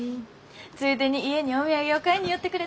ついでに家にお土産を買いに寄ってくれたんじゃ。